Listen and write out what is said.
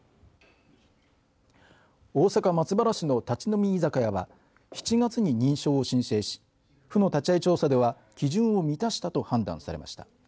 大阪、松原市の立ち飲み居酒屋は７月に認証を申請し府の立ち会い調査では基準を満たしたと判断されました。